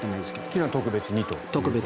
昨日は特別にと。